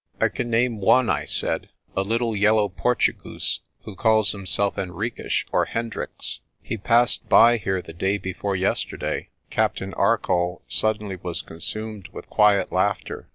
"I can name one," I said, "a little yellow Portugoose, who calls himself Henriques or Hendricks. He passed by here the day before yesterday." Captain Arcoll suddenly was consumed with quiet laughter.